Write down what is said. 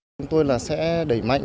chúng tôi sẽ đẩy mạnh